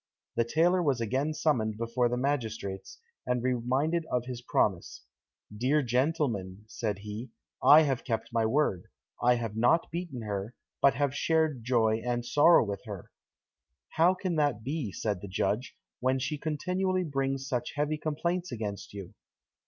The tailor was again summoned before the magistrates, and reminded of his promise. "Dear gentlemen," said he, "I have kept my word, I have not beaten her, but have shared joy and sorrow with her." "How can that be," said the judge, "when she continually brings such heavy complaints against you?"